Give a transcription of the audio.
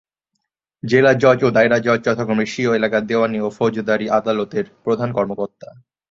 জেলা জজ ও দায়রা জজ যথাক্রমে স্বীয় এলাকার দেওয়ানী ও ফৌজদারি আদালতের প্রধান কর্মকর্তা।